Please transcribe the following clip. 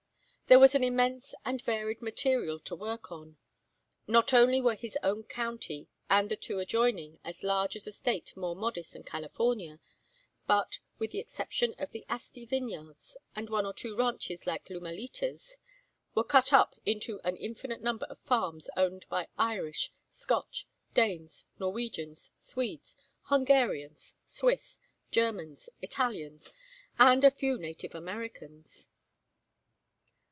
There was an immense and varied material to work on. Not only were his own county and the two adjoining as large as a State more modest than California, but, with the exception of the Asti vineyards, and one or two ranches like Lumalitas, were cut up into an infinite number of farms owned by Irish, Scotch, Danes, Norwegians, Swedes, Hungarians, Swiss, Germans, Italians, and a few native Americans.